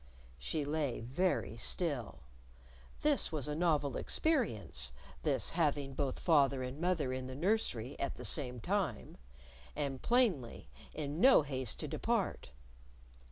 She lay very still. This was a novel experience, this having both father and mother in the nursery at the same time and plainly in no haste to depart!